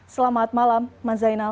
selamat malam mas zainal